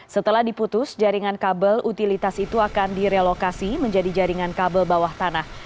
setelah diputus jaringan kabel utilitas itu akan direlokasi menjadi jaringan kabel bawah tanah